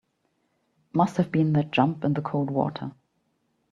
Must have been that jump in the cold water.